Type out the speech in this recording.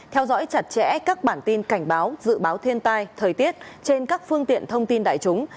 theo dõi chặt chẽ các bản tin cảnh báo dự báo thiên tai thời tiết trên các phương tiện thông tin đại chúng